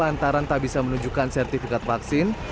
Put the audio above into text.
lantaran tak bisa menunjukkan sertifikat vaksin